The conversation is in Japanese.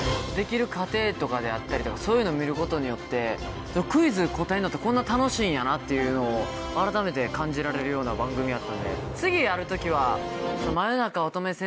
できる過程とかであったりとかそういうの見ることによってクイズ答えんのってこんな楽しいんやなっていうのをあらためて感じられるような番組やったんで。